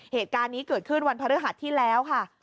เหตุการณ์นี้เกิดขึ้นวันพระฤหัสที่แล้วค่ะ